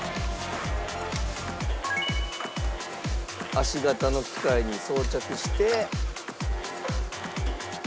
足型の機械に装着して。